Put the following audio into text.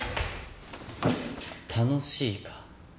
楽しいか？